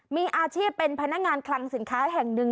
มีอาชีพเป็นพนักงานคลังสินค้าแห่งหนึ่ง